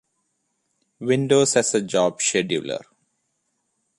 Windows has a job scheduler.